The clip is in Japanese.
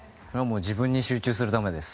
自分に集中するためです。